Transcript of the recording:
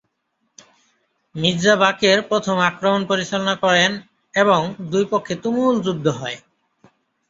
মির্যা বাকের প্রথম আক্রমণ পরিচালনা করেন এবং দুই পক্ষে তুমুল যুদ্ধ হয়।